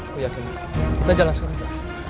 aku yakin kita jalan kerja